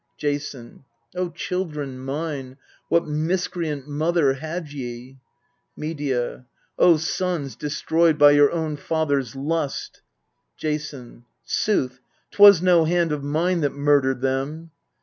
Jason. O children mine, what miscreant mother had ye ! Medea. O sons, destroyed by your own father's lust ! Jason. Sooth, 'twas no hand of mine that murdered them.